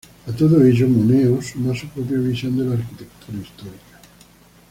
A todo ello, Moneo suma su propia visión de la arquitectura histórica.